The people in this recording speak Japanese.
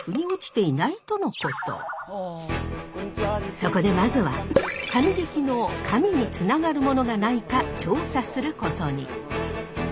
そこでまずは神喰の「神」につながるものがないか調査することに。